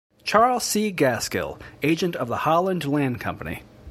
Charles C. Gaskill, agent of the Holland Land Company.